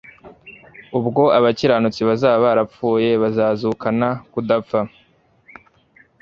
Ubwo abakiranutsi bazaba barapfuye bazazukana kudapfa,